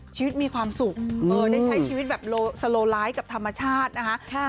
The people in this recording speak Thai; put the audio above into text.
ชีวิตมีความสุขได้ใช้ชีวิตแบบสโลไลฟ์กับธรรมชาตินะคะ